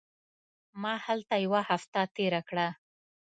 ما هلته یوه هفته تېره کړه.